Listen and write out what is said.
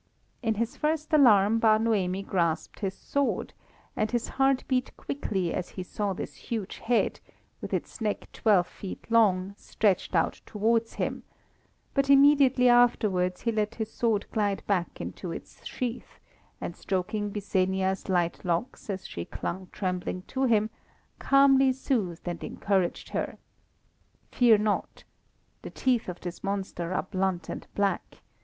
In his first alarm Bar Noemi grasped his sword, and his heart beat quickly as he saw this huge head, with its neck twelve feet long, stretched out towards him; but immediately afterwards he let his sword glide back into its sheath, and stroking Byssenia's light locks as she clung trembling to him, calmly soothed and encouraged her. "Fear not! The teeth of this monster are blunt and black.